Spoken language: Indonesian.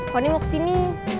koni mau kesini